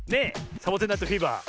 「サボテン・ナイト・フィーバー」。